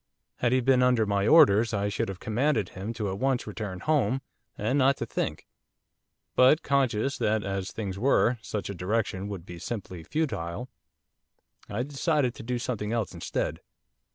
Had he been under my orders I should have commanded him to at once return home, and not to think; but conscious that, as things were, such a direction would be simply futile, I decided to do something else instead.